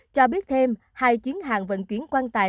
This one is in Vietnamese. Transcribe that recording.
cho biết thêm hai chuyến hàng vận chuyển quan tài